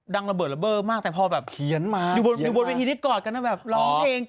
ดังระเบิดระเบิดแต่พอครองคั่นน่ะอยู่บนเวทีที่กอดก่อนก็ได้เล่น้องเทลช่อง